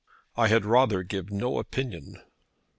"I had rather give no opinion."